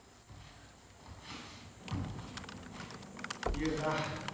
雄太